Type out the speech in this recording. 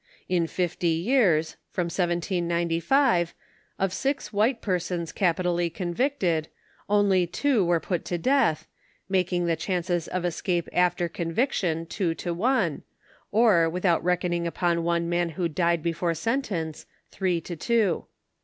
In fifty years, from 1795, of six white persons capi tally convicted, only two were put to death, making the chances of escape after conviction two to one, or, without reckoning upon one man who died before sentence, three to two.